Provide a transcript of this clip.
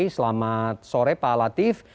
selamat sore pak latif